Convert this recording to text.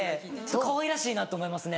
かわいらしいなって思いますね。